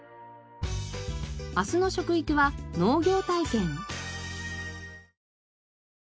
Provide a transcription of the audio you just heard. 明日の食育は農業体験。